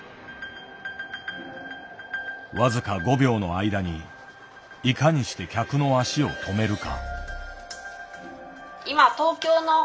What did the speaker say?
僅か５秒の間にいかにして客の足を止めるか。